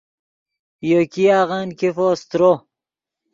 یو ګیاغن ګیفو سترو